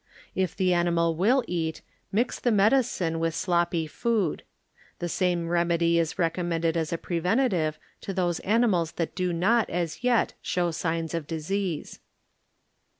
If the animal will eat, mix the medicine with sloppy food. The same remedy is recommended as a preventive to those animals that do not as yet show signs of disease.